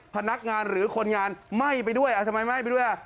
พนักงานหรือคนงานไหม้ไปด้วยทำไมไหม้ไปด้วยอ่ะ